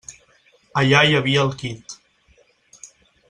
Allà hi havia el quid.